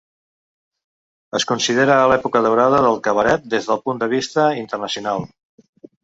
Es considera l'època daurada del cabaret des del punt de vista internacional.